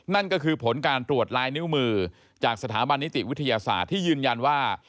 นั่นก็คือผลการตรวจลายนิ้วมือจากสถาบันนิติวิทยาศาสตร์ที่ยืนยันว่า